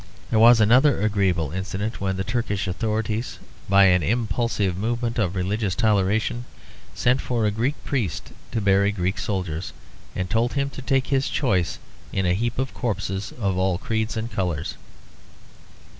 There was another agreeable incident when the Turkish authorities, by an impulsive movement of religious toleration, sent for a Greek priest to bury Greek soldiers, and told him to take his choice in a heap of corpses of all creeds and colours.